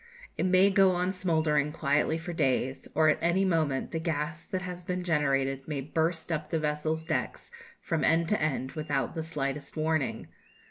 It may go on smouldering quietly for days, or at any moment the gas that has been generated may burst up the vessel's decks from end to end, without the slightest warning.